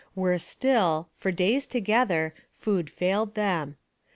Worse still, for days together, food failed them.